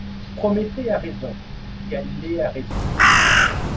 Prométhée a raison, Galilée a raison ;